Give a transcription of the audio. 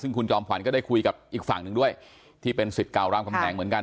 ซึ่งคุณจอมขวัญก็ได้คุยกับอีกฝั่งหนึ่งด้วยที่เป็นสิทธิ์เก่ารามคำแหงเหมือนกัน